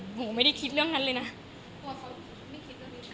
โหไม่ได้คิดเรื่องนั้นเลยนะ